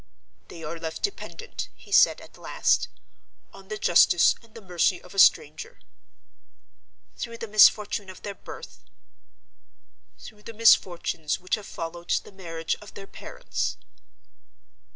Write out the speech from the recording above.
"They are left dependent," he said, at last, "on the justice and the mercy of a stranger." "Through the misfortune of their birth?" "Through the misfortunes which have followed the marriage of their parents."